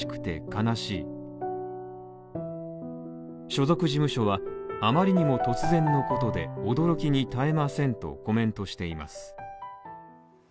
所属事務所はあまりにも突然のことで驚きに堪えませんとコメントしています。